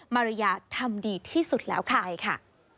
มาริยาทำดีที่สุดแล้วใครค่ะ